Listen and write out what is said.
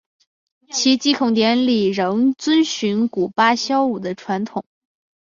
其祭孔典礼仍遵循古八佾舞的传统。